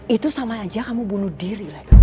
itu sama aja kamu bunuh diri lagi